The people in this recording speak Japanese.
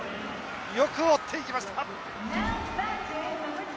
よく追っていきました。